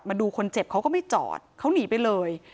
มาดูคนเจ็บเขาก็ไม่จอดเขาหนีไปเลย